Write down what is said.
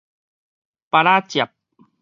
菝仔汁